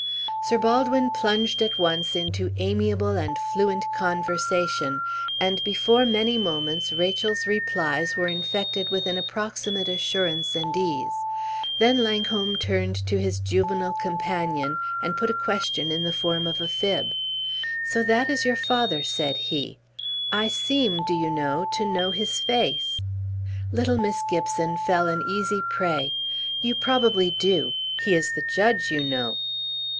Sir Baldwin plunged at once into amiable and fluent conversation, and before many moments Rachel's replies were infected with an approximate assurance and ease; then Langholm turned to his juvenile companion, and put a question in the form of a fib. "So that is your father," said he. "I seem, do you know, to know his face?" Little Miss Gibson fell an easy prey. "You probably do; he is the judge, you know!"